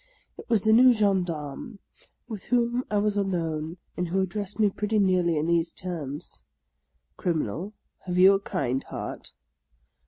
It was the new gen darme, with whom I was alone, and who addressed me pretty nearly in these terms :—" Criminal, have you a kind heart